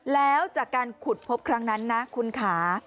แล้วจากการขุดพบครั้งนั้นนะคุณค่ะ